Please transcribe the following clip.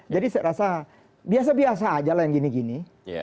jadi saya rasa biasa biasa aja lah yang gini gini